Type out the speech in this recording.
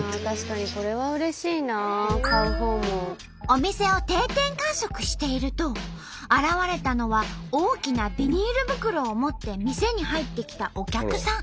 お店を定点観測していると現れたのは大きなビニール袋を持って店に入ってきたお客さん。